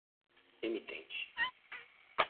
emitente